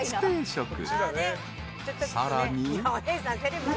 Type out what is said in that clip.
［さらに］